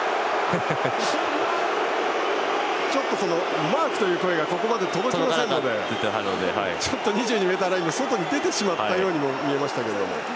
ちょっとマークという声がここまで届きませんでしたのでちょっと２２ｍラインの外に出てしまったように見えました。